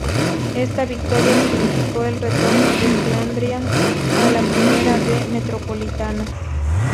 Esta victoria significó el retorno de Flandria a la Primera B Metropolitana.